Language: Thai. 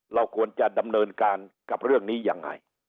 เราควรจะดำเนินการกับเรื่องนี้ยังไง